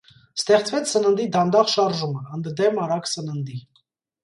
Ստեղծվեց սննդի դանդաղ շարժումը( ընդդեմ արագ սննդի)։